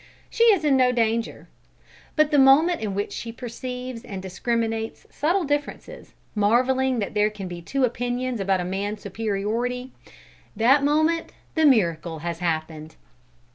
she is in no danger. But the moment in which she perceives and discriminates subtle differences, marvelling that there can be two opinions about a man's superiority, that moment the miracle has happened.